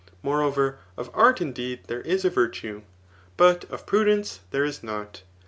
Moreover, of art indeed there is a virtue, but of prudence there is not.